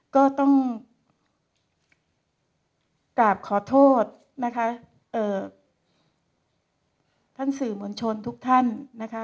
ก็ต้องกราบขอโทษนะคะท่านสื่อมวลชนทุกท่านนะคะ